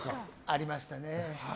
ありましたね。